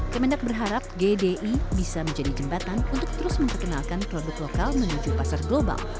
kemendak berharap gdi bisa menjadi jembatan untuk terus memperkenalkan produk lokal menuju pasar global